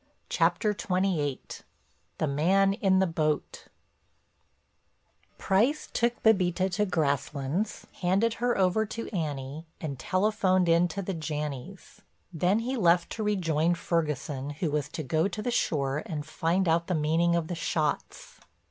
CHAPTER XXVIII—THE MAN IN THE BOAT Price took Bébita to Grasslands, handed her over to Annie and telephoned in to the Janneys. Then he left to rejoin Ferguson who was to go to the shore and find out the meaning of the shots.